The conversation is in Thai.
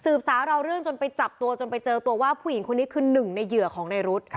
สาวเราเรื่องจนไปจับตัวจนไปเจอตัวว่าผู้หญิงคนนี้คือหนึ่งในเหยื่อของในรุธ